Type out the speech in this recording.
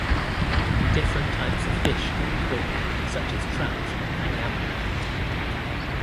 Different types of fish can be caught such as trout and yamame.